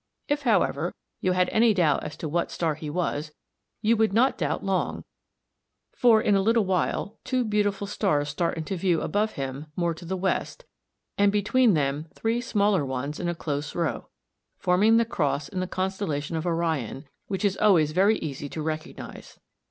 If, however, you had any doubt as to what star he was, you would not doubt long, for in a little while two beautiful stars start into view above him more to the west, and between them three smaller ones in a close row, forming the cross in the constellation of Orion, which is always very easy to recognise.